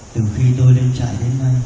từ khi tôi lên trại đến nay